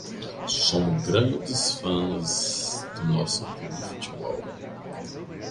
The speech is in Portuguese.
Somos grandes fãs do nosso clube de futebol.